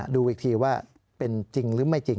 ดูอีกทีว่าเป็นจริงหรือไม่จริง